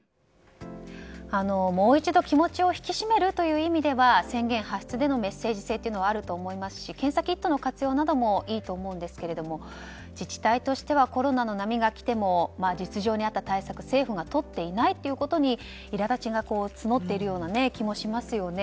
もう一度、気持ちを引き締めるという意味では宣言発出でのメッセージ性はあると思いますし検査キットの活用などもいいと思いますが自治体としてはコロナの波が来ても実情に合った対策を政府がとっていないことにいら立ちが募っている気もしますよね。